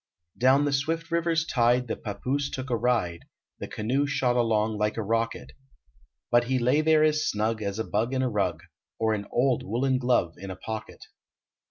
Down the swift river s tide The pappoose took a ride ; The canoe shot along like a rocket, But he lay there as snug As a bug in a rug; Or an old woolen glove in a pocket.